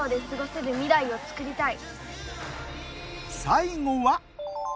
最後は。